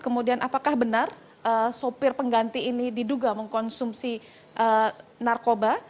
kemudian apakah benar sopir pengganti ini diduga mengkonsumsi narkoba